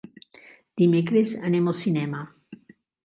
Dimecres anem al cinema.